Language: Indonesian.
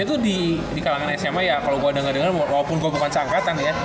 dia tuh di kalangan sma ya kalau gue dengar dengar walaupun gue bukan seangkatan ya